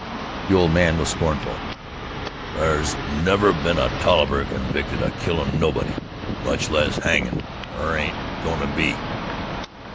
The old man was scornful. "Thar's never been a Tolliver convicted of killin' nobody, much less hung an' thar ain't goin' to be."